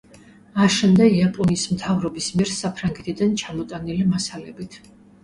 აშენდა იაპონიის მთავრობის მიერ საფრანგეთიდან ჩამოტანილი მასალებით.